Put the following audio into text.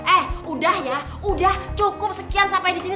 eh udah ya udah cukup sekian sampai di sini